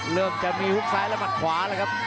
เริ่มจะมีฮุกซ้ายและหัดขวาแล้วครับ